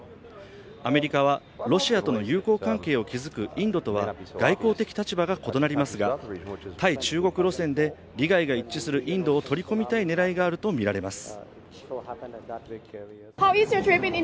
アメリカはロシアとの友好関係を築くインドとは、外交的立場が異なりますが、対中国路線で利害が一致するインドを取り込みたい狙いがあるとみられます。